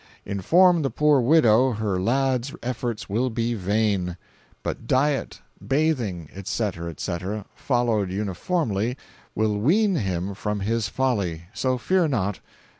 Inform the poor widow her lad's efforts will be vain. But diet, bathing, etc. etc., followed uniformly, will wean him from his folly—so fear not.